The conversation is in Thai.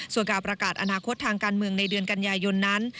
ส่วนการประกาศอนาคตทางการเมืองในเดือนกันยายนนั้น